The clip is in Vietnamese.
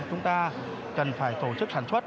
chúng ta cần phải tổ chức sản xuất